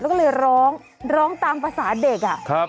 แล้วก็เลยร้องร้องตามภาษาเด็ก